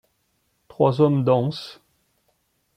Trois hommes dansent.